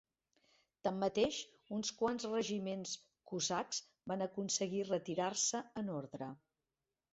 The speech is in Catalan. Tanmateix, uns quants regiments cosacs van aconseguir retirar-se en ordre.